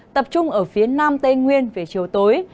tập trung ở phía nam tây nguyên về chiều tối